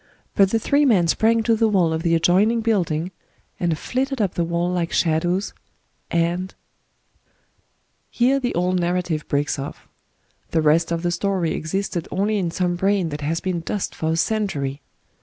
But the three men sprang to the wall of the adjoining building, and flitted up the wall like shadows, and ... Digitized by Google IN A CUP OF TEA 17 Here the old narrative breaks off; the rest of the story existed only in some brain that has been dust for a century.